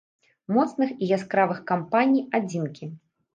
Моцных і яскравых кампаній адзінкі.